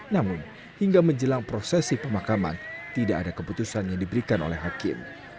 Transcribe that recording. namun hingga menjelang prosesi pemakaman tidak ada keputusan yang diberikan oleh hakim